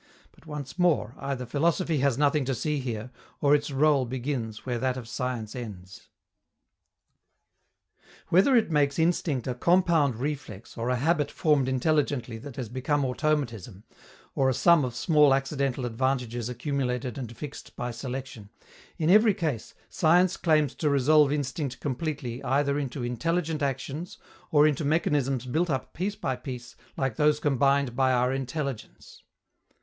But, once more, either philosophy has nothing to see here, or its rôle begins where that of science ends. Whether it makes instinct a "compound reflex," or a habit formed intelligently that has become automatism, or a sum of small accidental advantages accumulated and fixed by selection, in every case science claims to resolve instinct completely either into intelligent actions, or into mechanisms built up piece by piece like those combined by our intelligence.